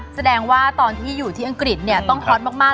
สแดงว่าตอนที่อยู่ที่อังกฤษต้องฮอตเยอะมาก